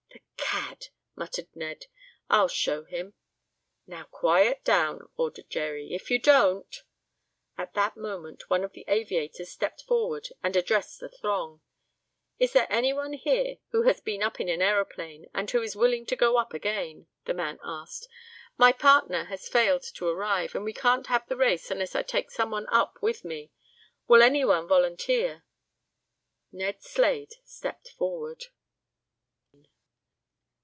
"The cad!" muttered Ned. "I'll show him!" "Now quiet down," ordered Jerry. "If you don't " At that moment one of the aviators stepped forward and addressed the throng. "Is there any one here who has been up in an aeroplane, and who is willing to go up again?" the man asked. "My partner has failed to arrive, and we can't have the race unless I take some one up with me. Will any one volunteer?" Ned Slade stepped forward.